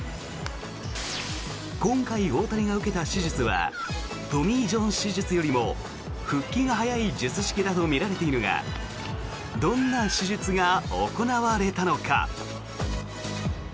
今回、大谷が受けた手術はトミー・ジョン手術よりも復帰が早い術式だとみられているがどんな手術が行われたのか。